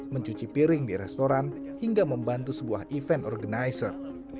mencuci piring di restoran hingga membantu sebuah event organizer